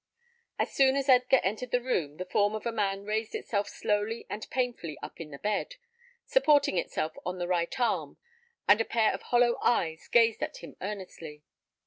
As soon as Edgar entered the room, the form of a man raised itself slowly and painfully up in the bed, supporting itself on the right arm, and a pair of hollow eyes gazed at him earnestly.